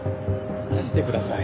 離してください。